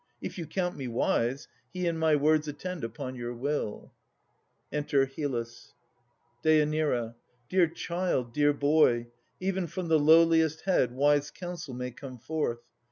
If you count me wise, He and my words attend upon your will. Enter HYLLUS. DÊ. Dear child, dear boy! even from the lowliest head Wise counsel may come forth.